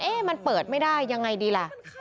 มันเปิดไม่ได้ยังไงดีล่ะ